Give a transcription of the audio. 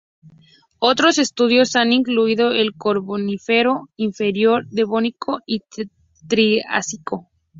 Otros estudios han incluido el Carbonífero Inferior, Devónico, y Triásico.